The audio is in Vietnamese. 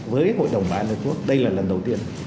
với hội đồng bảo an liên hợp quốc đây là lần đầu tiên